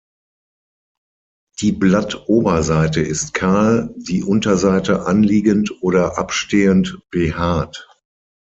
Die Blattoberseite ist kahl, die Unterseite anliegend oder abstehend behaart.